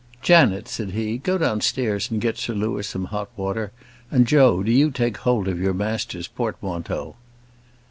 "Janet," said he, "go downstairs and get Sir Louis some hot water, and Joe, do you take hold of your master's portmanteau."